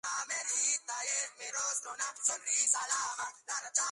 Fue notable "Amneris, Adalgisa, Azucena, Ulrica, Santuzza, Carmen" y" Dalila".